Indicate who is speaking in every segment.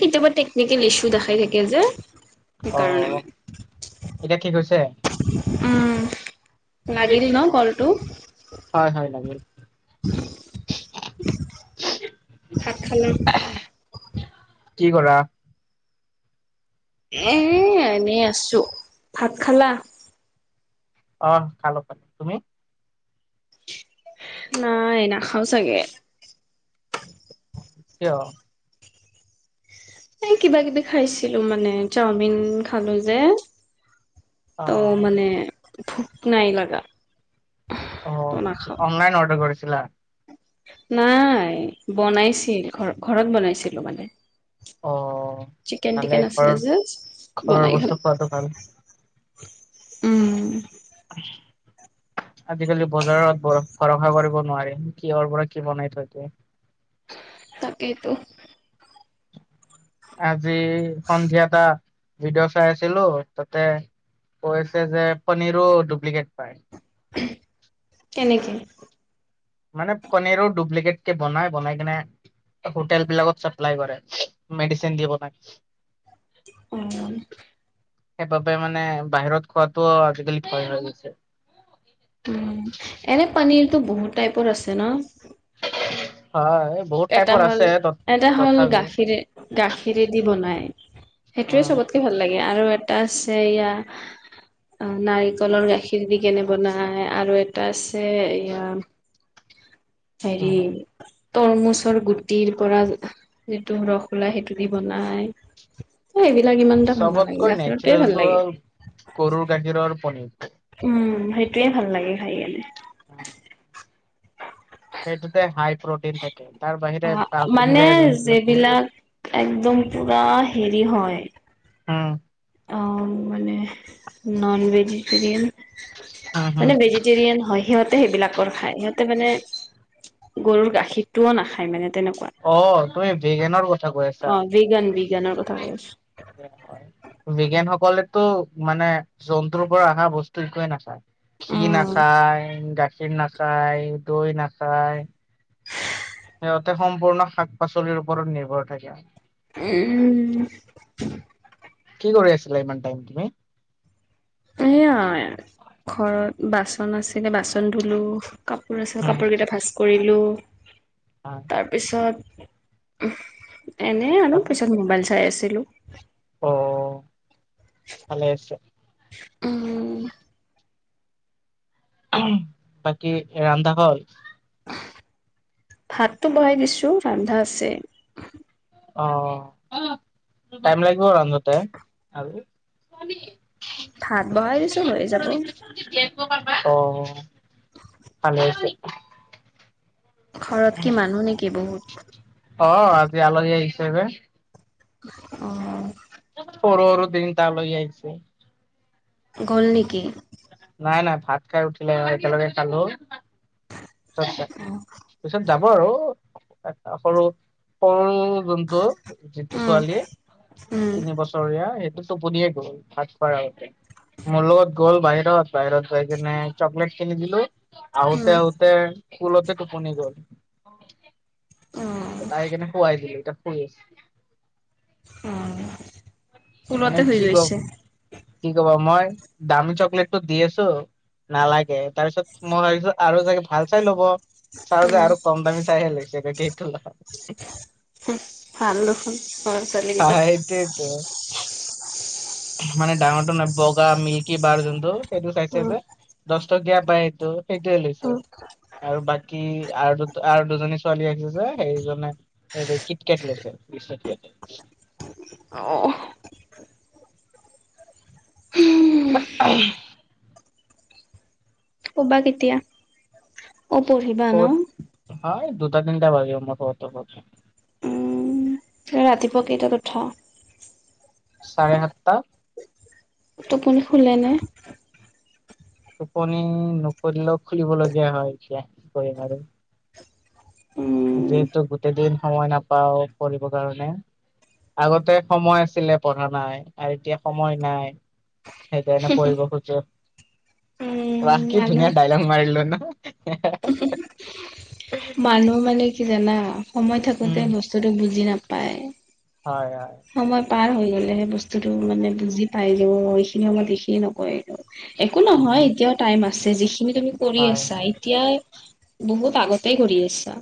Speaker 1: কেতিয়াবা টেকনিকেল ইচ্ছু দেখাই থাকে যে
Speaker 2: অ
Speaker 1: সেইকাৰণে
Speaker 2: এতিয়া ঠিক হৈছে
Speaker 1: উম লাগিল ন
Speaker 2: অ
Speaker 1: কলটো?
Speaker 2: হয় হয় লাগিল
Speaker 1: ভাত খালা?
Speaker 2: কি কৰা?
Speaker 1: এ এনেই আছোঁ। ভাত খালা?
Speaker 2: আঁহ খালো খালো। তুমি?
Speaker 1: নাই নাখাওঁ চাগে।
Speaker 2: কিয়?
Speaker 1: এই কিবা কিবি খাইছিলো মানে, চাওমিন খালো যে। ত' মানে ভুক নাই লাগা। ত'
Speaker 2: অঁ
Speaker 1: নাখাও।
Speaker 2: অনলাইন অৰ্ডাৰ কৰিছিলা?
Speaker 1: নাই বনাইছিল ঘ ঘৰত বনাইছিলো মানে।
Speaker 2: অ
Speaker 1: চিকেন টিকেন
Speaker 2: ভালেই, ঘৰৰ
Speaker 1: আছিলে যে
Speaker 2: ঘৰৰ
Speaker 1: বনাই খালো।
Speaker 2: বস্তু খোৱাটো ভাল।
Speaker 1: উম।
Speaker 2: আজিকালি বজাৰত ভৰসা কৰিব নোৱাৰি, কিহৰ পৰা কি বনাই থৈ দিয়ে।
Speaker 1: তাকেইটো।
Speaker 2: আজি সন্ধিয়াটা ভিডিঅ' চাই আছিলো তাতে কৈছে যে, পনীৰো ডুপ্লিকেট পায়।
Speaker 1: কেনেকে?
Speaker 2: মানে পনীৰৰ ডুপ্লিকেট কে বনাই বনাই কিনে। হোটেল বিলাকত চাপ্লাই কৰে মেডিচিন দি বনাই।
Speaker 1: অঁ।
Speaker 2: সেইবাবে মানে বাহিৰত খোৱাটো আজিকালি ভয় হৈ গৈছে।
Speaker 1: উম এনে পানীৰতটো বহুত টাইপৰ আছে ন?
Speaker 2: হয় বহুত
Speaker 1: এটা
Speaker 2: টাইপৰ
Speaker 1: হ'ল
Speaker 2: আছে
Speaker 1: এটা হ'ল
Speaker 2: তথাপিও।
Speaker 1: গাখীৰে গাখীৰেদি বনাই সেইটোৱে চবতকে ভাল লাগে আৰু এটা আছে এয়া। অ নাৰিকলৰ গাখীৰ দি কেনে বনায় আৰু এ টা আছে এয়া হেৰি
Speaker 2: উম।
Speaker 1: তৰমুজ। ৰ গুটিৰ পৰা যিটো ৰস ওলাই সেইটো দি বনাই, এ সেই বিলাক ইমান এটা ভাল নালাগে,
Speaker 2: চবতকৈ
Speaker 1: গাখিৰৰটোৱে ভাল
Speaker 2: নেচাৰেলটো
Speaker 1: লাগে।
Speaker 2: হ'ল গৰুৰ গাখীৰৰ পনীৰ।
Speaker 1: উম সেইটোৱে ভাল লাগে খাই কিনে।
Speaker 2: অঁ। সেইটোতে হাই প্ৰটিন থাকে। তাৰ বাহিৰে
Speaker 1: অঁ
Speaker 2: আ, তুমি
Speaker 1: মানে
Speaker 2: যে যোনবিলাক কলা
Speaker 1: যিবিলাক একদম পুৰা হেৰি হয়
Speaker 2: উম।
Speaker 1: অ মানে নন ভেজিটেৰিয়ান।
Speaker 2: উম হম
Speaker 1: মানে ভেজিটেৰিয়ান হয় সিহঁত হতে সেইবিলাকৰ খায়, সিহঁতে মানে গৰুৰ গাখীৰটো নাখায় মানে তেনেকুৱা,
Speaker 2: অ তুমি ভেগেনৰ কথা কৈ
Speaker 1: অ বিজ্ঞান বিজ্ঞানৰ কথা কৈ আছো।
Speaker 2: বিজ্ঞানসকলেতো মানে জন্তুৰ পৰা অহা বস্তু একোৱে নাখায়। ঘি
Speaker 1: উম
Speaker 2: নাখায়, গাখীৰ নাখায়, দৈ নাখায় তাতে সম্পূৰ্ণ শাক -পাচলিৰ ওপৰত নিৰ্ভৰ থাকে।
Speaker 1: উম।
Speaker 2: কি কৰি আছিলা ইমান টাইম তুমি?
Speaker 1: এয়াই ঘৰত বাচন আছিলে বাচন ধুলো কাপোৰ আছে
Speaker 2: উম,
Speaker 1: কাপোৰকেইটা ভাজ কৰিলো তাৰ পিছত উম এনে আৰু পিছত মোবাইল চাই আছে দিলো
Speaker 2: অ ভালে হৈছে
Speaker 1: উম।
Speaker 2: বাকী ৰান্ধা হল?
Speaker 1: ভাতটো বহাই দিছো, ৰান্ধা আছে।
Speaker 2: অ টাইম লাগিব ৰান্ধতে আৰু।
Speaker 1: ভাত বহাই দিছো হৈ যাব।
Speaker 2: অ ভালে হৈছে।
Speaker 1: ঘৰত কি মানুহ নেকি বহুত?
Speaker 2: অ আজি আলহী আহিছে যে
Speaker 1: অ।
Speaker 2: সৰু সৰু তিনটা লৈ আহিছো।
Speaker 1: গল নেকি?
Speaker 2: নাই নাই ভাত খাই উঠিলে একেলগে খালো চ চ পিছত যাব আৰু সৰু হল যোনটো, যিটো
Speaker 1: উম
Speaker 2: ছোৱালী
Speaker 1: উম
Speaker 2: তিনি বছৰীয়া সেইটো টোপনিয়ে গল ভাত খোৱাৰ আগতে। মোৰ লগত গ'ল বাহিৰত, বাহিৰত যায় কিনে চকলেট কিনি দিলো,
Speaker 1: উম
Speaker 2: আহোতে আহো কুলতে টোপনি গল।
Speaker 1: অ
Speaker 2: তাইক এনে খুৱাই দিলো, এতিয়া শুই আছে।
Speaker 1: উম।
Speaker 2: মানে কি কব, কি কবা মই দামী চকলেটটো দি আছো নালাগে, তাৰপিছত মই ভাবিছোঁ আৰু চাগে ভাল চাই ল'ব চাই যে
Speaker 1: উম,
Speaker 2: আৰু কম দামি চাইহে লৈছে পেকেতটো।
Speaker 1: ভাল দেখোন লৰা- ছোৱালী কেইটা।
Speaker 2: সেইটোৱেটো মানে ডাঙৰটো ন বগা মিল্কি বাৰ যোনটো সেইটো চাই
Speaker 1: উম,
Speaker 2: চাইছো দশ ত গেপ বা এইটো সেইটোৱে লৈছে।
Speaker 1: উম।
Speaker 2: আৰু বাকী আৰু দু আৰু দুজনী ছোৱালী আহিছে যে সেইজনে হেৰি কিট কেট লৈছে। [unintelligible]
Speaker 1: অহ।
Speaker 2: হে এম
Speaker 1: শুবা কেতিয়া? অ পঢ়িবা ন।
Speaker 2: ক'ত হয় দুটা তিনটা ভাগে ম [inaudible]
Speaker 1: উম, ৰাতিপুৱা কেইটাত উঠা?
Speaker 2: চাৰে সাতটা।
Speaker 1: টোপনি খুলে নে?
Speaker 2: টোপনি নকৰিলেও খুলিবলগীয়া হয় এতিয়া কি কৰিম আৰু।
Speaker 1: উম,
Speaker 2: যিহেতু গোটেই দিন সময় নাপাও পঢ়িবৰ কাৰণে আগতে সময় আছিলে পঢ়া নাই আৰু এতিয়া সময় নাই। সেইকাৰণে পঢ়িব খুজে।
Speaker 1: উম,
Speaker 2: ৰাখী
Speaker 1: ভালেই।
Speaker 2: ধুনীয়া ডাইলাগ মাৰিলো ন।
Speaker 1: মানুহ মানে কি জানা সময় থাকোতে
Speaker 2: উম
Speaker 1: বস্তুটো বুজি নাপায়।
Speaker 2: হয় হয়।
Speaker 1: সময় পাৰ হৈ গ'লে সেই বস্তুটো মানে বুজি পায় যে মই এইখিনি সময়ত এইখিনি নকয়। একো
Speaker 2: উম
Speaker 1: নহয় এতিয়াও টাইম আছে যিখিনি তুমি কৰি
Speaker 2: হয়
Speaker 1: আছা
Speaker 2: হয়
Speaker 1: এতিয়াই বহুত আগতেই কৰি আছা।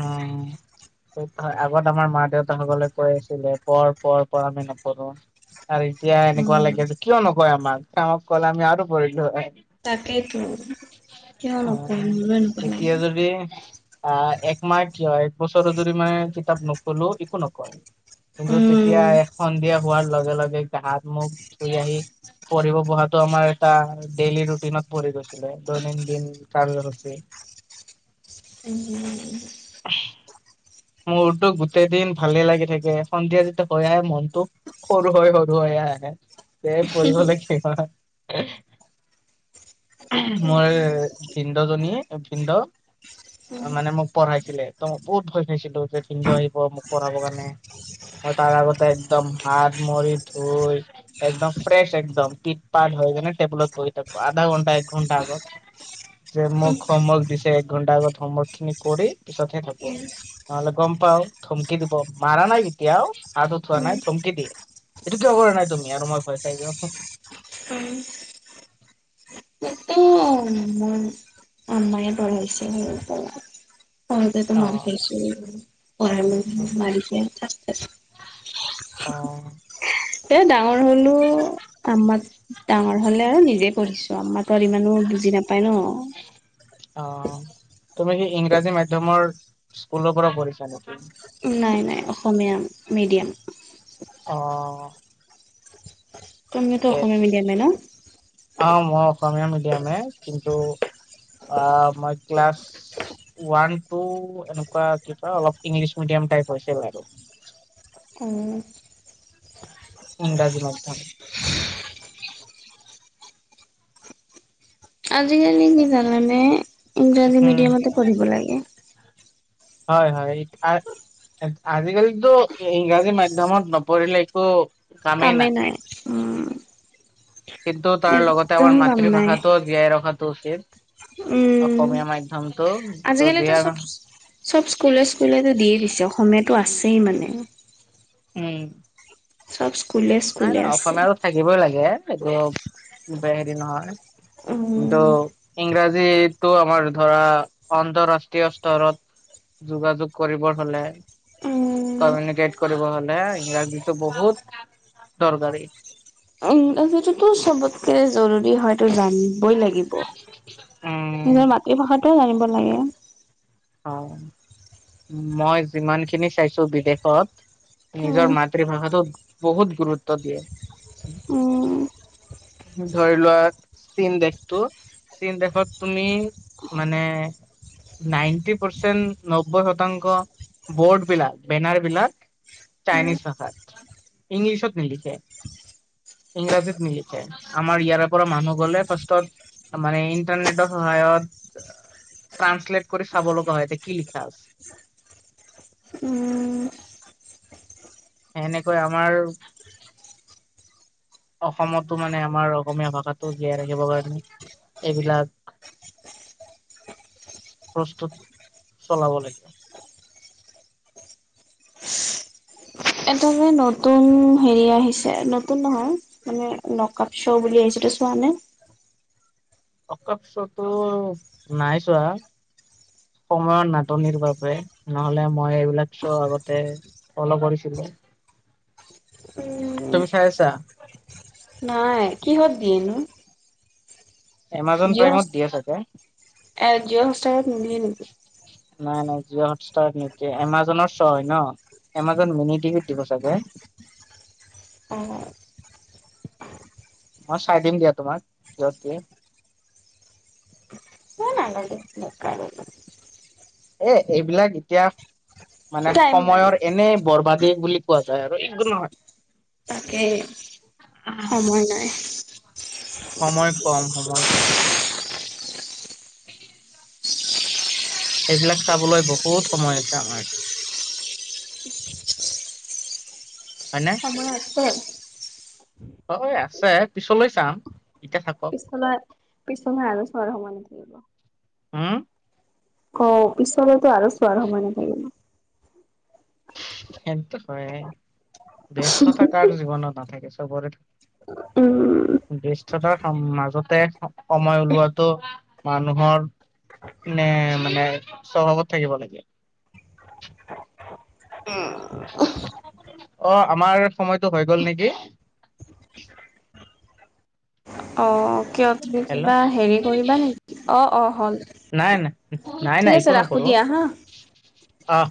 Speaker 2: উম। আগত আমাৰ মা দেউতাসকলে কৈ আছিলে পঢ় পঢ় পঢ় আমি নপঢ়ো আৰু এতিয়া এনেকুৱা
Speaker 1: উম,
Speaker 2: লাগে যে কিয় নকয় আমাক কামক ক'লে আমি আৰু পঢ়িলো হয়
Speaker 1: তাকেইতো কিয় নকয় নো।
Speaker 2: এতিয়া যদি আহ একমাহ কিয় এক বছৰ ধৰি মানে কিতাপ নপঢ়িললো একো নকয় কিন্তু তেতিয়া
Speaker 1: উম।
Speaker 2: এ সন্ধিয়া হোৱাৰ লগে লগে। যে হাত মুখ ধুই আহি পঢ়িব বহাটো আমাৰ এটা ডেইলি ৰুটিনত পৰি গৈছিলে [unintelligible]
Speaker 1: উম। অ [unintelligible]
Speaker 2: মোৰতো গোটেই দিন ভালে লাগি থাকে সন্ধিয়া যেতিয়া হৈ আহে মনটো সৰু হৈ সৰু হৈ আহে আহে যে পঢ়িব লাগিব। মই ভিন্দ জনী ভিন্দ মানে মোক উঠাছিলে ত মই বহুত ভয় খাইছিলো যে ভিন্দ আহিব মোক পঢ়াব কাৰণে। মই তাৰ আগতে একদম হাত মৰি ধুই একদম ফ্ৰেছ একদম পিঠ পাত। লৈকেনে টেবুলত বহি থাকো আধা ঘণ্টা এক ঘন্টা আগত যে মোক হম ৱৰ্ক দিছে এক ঘণ্টা। আগত হম ৱৰ্ক খিনিক। কৰি পিছতহে থাকো নহলে গম পাওঁ ধমকি দিব মাৰা নাই কেতিয়াও আৰু উঠোৱা নাই ধমকি দিয়ে এইটো কিয় কৰা নাই তুমি আৰু মই ভয় খাই যোৱা।
Speaker 1: মায়ে পঢ়াইছে সৰুৰ পৰা। পঢ়োতেতো মাৰ
Speaker 2: অ',
Speaker 1: খাইছো পঢ়াই মোক মাৰিছে
Speaker 2: অ',
Speaker 1: [unintelligible] ডাঙৰ হ'লো। আম্মাত ডাঙৰ হলে আৰু নিজেই পঢ়িছো আম্মাতো আৰু ইমানো বুজি নাপায় ন।
Speaker 2: অঁ তুমি সি ইংৰাজী মাধ্যমৰ স্কুলৰ পৰা পঢ়িছা নেকি!
Speaker 1: নাই নাই অসমীয়া মিডিয়াম।
Speaker 2: অঁ।
Speaker 1: তুমিওতো
Speaker 2: ইয়েছ
Speaker 1: অসমীয়া মিডিয়ামে ন?
Speaker 2: অঁ ম অসমীয়া মেডিয়ামে কিন্তু আঁ ক্লাছ ওৱান টু এনেকুৱা কিতাও ইংলিছ মিডিয়াম টাইপ হৈছে বাৰু।
Speaker 1: উম।
Speaker 2: ইংৰাজী মাধ্যম।
Speaker 1: আজিকালি কি জানানে ইংৰাজী
Speaker 2: উম।
Speaker 1: মিডিয়ামতে পঢ়িব লাগে।
Speaker 2: হয় হয়। আজিকালিতো ইংৰাজী মাধ্যমত নপঢ়িলে একো
Speaker 1: কামেই নাই উম।
Speaker 2: কিন্তু তাৰ লগতে
Speaker 1: একদম
Speaker 2: আমাৰ
Speaker 1: কাম নাই
Speaker 2: মাতৃভাষাটো জীয়াই ৰখাটো উচিত।
Speaker 1: উম
Speaker 2: অসম অসমীয়া মাধ্যমটো যদি
Speaker 1: আজিকালিতো চব
Speaker 2: আৰু।
Speaker 1: চব স্কুলে স্কুলে দিয়েই দিছে অসমীয়াতো আছেই মানে
Speaker 2: উম।
Speaker 1: চ
Speaker 2: নাই নাই অসমীয়াটো থাকিবই লাগে এইটো হেৰি নহয়। কিন্তু
Speaker 1: উম
Speaker 2: ইংৰাজী যিটো আমাৰ ধৰা আন্তৰাষ্ট্ৰীয় স্তৰত যোগাযোগ কৰিব হলে
Speaker 1: উম
Speaker 2: কমিউনিকেট কৰিব হলে ইংৰাজীতটো বহুত দৰকাৰী
Speaker 1: উম, সেইটোতো চবতকে জৰুৰী হয়তো জান জানিবই লাগিব
Speaker 2: উম
Speaker 1: নিজৰ মাতৃভাষাতে জানিব লাগে।
Speaker 2: মই যিমান খিনি চাইছো বিদেশত নিজৰ
Speaker 1: উম
Speaker 2: মাতৃভাষাটো বহুত গুৰুত্ব দিয়ে।
Speaker 1: উম
Speaker 2: ধৰি লোৱা চীন দেশটো চীন দেশত তুমি মানে নাইন প্চব্বৈ শতাংশ বৰ্ড বিলাক বেনাৰ বিলাক।
Speaker 1: উম
Speaker 2: চাইনিজ ভাষাত ইংলিছত নিলিখে।
Speaker 1: হয়।
Speaker 2: ইংৰাজীত নিলিখে আমাৰ ইয়াৰে পৰা মানুহ গলে ফাৰ্ষ্টত মানে ইন্টাৰনেটৰ সহায়ত
Speaker 1: [inaudible]
Speaker 2: কাম ত্ৰশ্লালেত কৰিছে। খাব লগা হয় এতিয়া কি লিখা
Speaker 1: উম
Speaker 2: আছে। সেনেকৈ আমাৰ অসমতো মানে আমাৰ অসমীয়া ভাষাটো জীয়াই ৰাখিবৰ কাৰণে এইবিলাক
Speaker 1: [unintelligible]
Speaker 2: প্ৰস্তুত চলাব লাগে।
Speaker 1: এদ মে নতুন হেৰি আহিছে নতুন নহয় মানে নকপ শ্ব' বুলি আহিছে। চোৱা নে।
Speaker 2: অকাপছতো নাই চোৱা। সময়ৰ নাটনিৰ বাবে নহলে মই এইবিলাক শ্ব' আগতে ফল কৰিছিলো। হয়। তুমি চাই আছা?
Speaker 1: নাই কিহত দিয়েনো
Speaker 2: এমাজ
Speaker 1: জিঅ' হট
Speaker 2: প্ৰাইমত দিয়া চাগে।
Speaker 1: এ জিও হৎস্তাৰত নিদিয়ে নেকি।
Speaker 2: নাই - নাই জিঅ' হটষ্টাৰ নিদিয়ে এমাজনৰ শ্ব' হয় ন। এমাজন মিনি বিত দিব চাগে
Speaker 1: আহঅঁ
Speaker 2: মই চাই দিম দিয়া তোমাক সিঁহতি
Speaker 1: নালাগে। বেকাৰ
Speaker 2: এ - এইবিলাক এতিয়া মানে
Speaker 1: টাইম নাই
Speaker 2: সময়ৰ এনে বৰবাদী বুলি কোৱা যায়। আৰু এই নহয়
Speaker 1: তাকে সময় নাই।
Speaker 2: সময় কম - সময় কম। এইবিলাক চাবলৈ বহুত সময় আছে আমাৰ। হয়নে।
Speaker 1: হয় - হয়।
Speaker 2: হয় আছে পিছলৈ চাম এতিয়া থাকক।
Speaker 1: পিছলৈ - পিছলৈহ আৰু ছৰ সময়ে থাকিব।
Speaker 2: হম,
Speaker 1: অঁ পিছলৈতো আৰু চোৱাৰ সময় নাথাকিব।
Speaker 2: সেইটো হয় ব্যস্ততা কাৰ জীৱনত নাথাকে। এই চব কৰে।
Speaker 1: উম।
Speaker 2: ব্যস্ততাৰ মাজতে সময় ওলোৱাটো মানুহৰ নে মানে স্বভাৱত থাকিব লাগে
Speaker 1: [unintelligible]
Speaker 2: অ আমাৰ সময়টো হৈ গ'ল নেকি।
Speaker 1: অ কিয় তুমি
Speaker 2: হেল্ল'
Speaker 1: কিবা হেৰি কৰিবা নেকি? অ অ হ'ল।
Speaker 2: নাই নাই নাই
Speaker 1: ঠিক
Speaker 2: নাই
Speaker 1: আছে
Speaker 2: একো
Speaker 1: ৰাখো
Speaker 2: নকৰো।
Speaker 1: দিয়া [unintelligible]
Speaker 2: অহ'